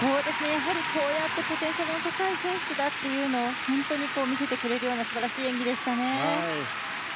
やはりこうやってポテンシャルの高い選手だっていうのを本当にこう見せてくれるような素晴らしい演技でしたね。